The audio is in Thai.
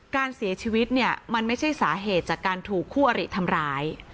การเสียชีวิตเนี่ยมันไม่ใช่สาเหตุจากการถูกคู่อริทำร้าย